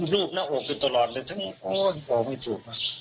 ลูกหน้าออกกันตลอดเลยบอกไม่ถูก